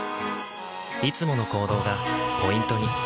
いつもの行動がポイントに。